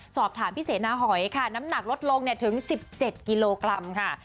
สอบถามพี่เสนาหอยค่ะน้ำหนักลดลงถึง๑๗กิโลกรัมค่ะ